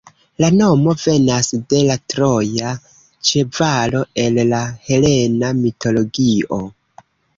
La nomo venas de la troja ĉevalo el la helena mitologio.